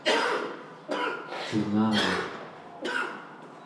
tungayaq